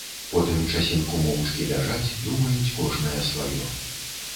Потым часінку моўчкі ляжаць, думаюць кожная сваё.